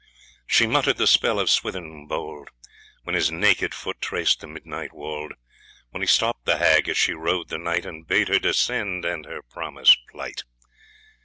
She mutter'd the spell of Swithin bold, When his naked foot traced the midnight wold, When he stopp'd the Hag as she rode the night, And bade her descend, and her promise plight.